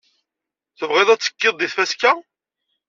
Tebɣiḍ ad ttekkiḍ deg tfaska?